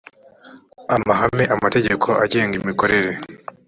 amahame amategeko agenga imikorere